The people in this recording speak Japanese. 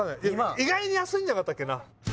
意外に安いんじゃなかったっけな